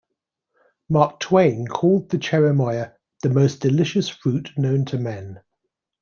Mark Twain called the cherimoya "the most delicious fruit known to men".